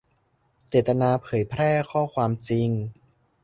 - เจตนาเผยแพร่ข้อความจริง